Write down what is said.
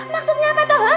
maksudnya apa tuh